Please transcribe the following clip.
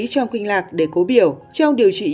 trong kinh lạc để cố biểu trong điều trị